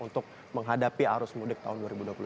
untuk menghadapi arus mudik tahun dua ribu dua puluh tiga